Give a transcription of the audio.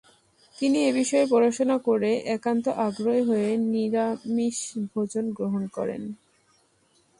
তিনি এ বিষয়ে পড়াশোনা করে একান্ত আগ্রহী হয়ে নিরামিষভোজন গ্রহণ করেন।